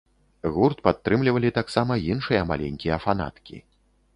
Гурт падтрымлівалі таксама іншыя маленькія фанаткі.